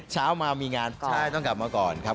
เช้ามามีงานใช่ต้องกลับมาก่อนครับ